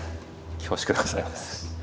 恐縮でございます。